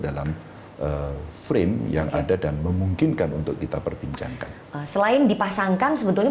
dalam frame yang ada dan memungkinkan untuk kita perbincangkan selain dipasangkan sebetulnya